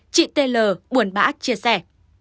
chị taylor buồn bã chia sẻ